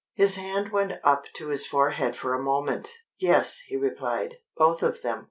His hand went up to his forehead for a moment. "Yes," he replied, "both of them.